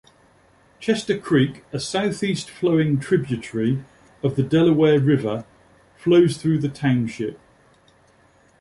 Chester Creek, a southeast-flowing tributary of the Delaware River, flows through the township.